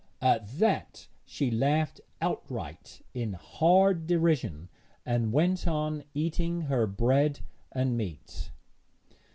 At that she laughed outright in hard derision, and went on eating her bread and meat.